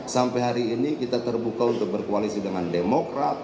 sampai hari ini kita terbuka untuk berkoalisi dengan demokrat